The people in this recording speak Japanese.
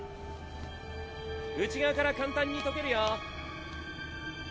内側から簡単に解けるよ。